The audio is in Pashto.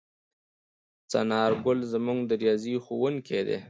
څنارګل زموږ د ریاضي ښؤونکی دی.